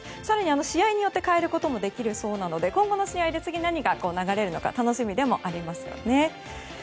更に試合によって変えることもできるそうなので今後の試合で次、何が流れるのか楽しみでもありますよね。